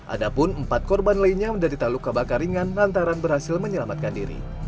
ada pun empat korban lainnya menderita luka bakar ringan lantaran berhasil menyelamatkan diri